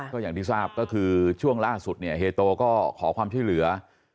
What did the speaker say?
ก็อย่างที่ทราบก็คือช่วงล่าสุดเนี่ยเฮโตก็ขอความช่วยเหลือ